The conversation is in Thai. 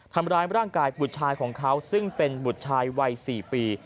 ทำร้ายร่างกายบุตรชายของเขาซึ่งเป็นบุตรชายวัย๔ปี